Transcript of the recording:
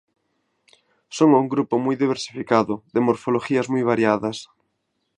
Son un grupo muy diversificado, de morfologías muy variadas.